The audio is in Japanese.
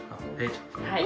はい。